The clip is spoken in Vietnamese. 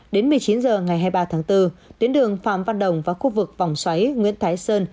đến một mươi chín h ngày hai mươi ba tháng bốn tuyến đường phạm văn đồng và khu vực vòng xoáy nguyễn thái sơn